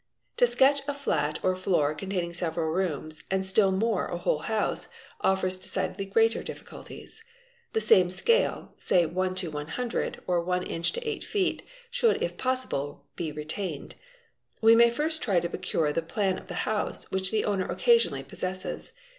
To sketch a flat or floor containing several rooms, and still more _ a whole house, offers decidedly greater difficulties. The same scale, say . 1 to 100 or 1 in. to 8 ft., should if possible be retained. We may first try 4 to procure the plan of the house, which the owner occasionally possesses.